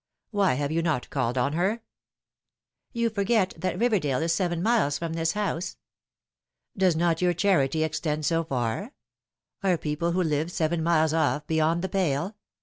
Why have yon not called on her?" " Your forget that Eiverdale is seven miles from this house." " Does not your charity extend so far ? Are people who live seven miles off beyond the pale